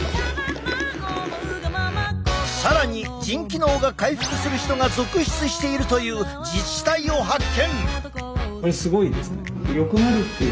更に腎機能が回復する人が続出しているという自治体を発見！